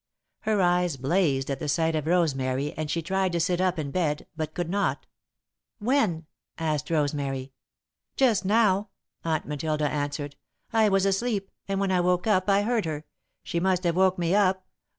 Her eyes blazed at the sight of Rosemary and she tried to sit up in bed, but could not. "When?" asked Rosemary. "Just now," Aunt Matilda answered. "I was asleep, and when I woke up I heard her. She must have woke me up.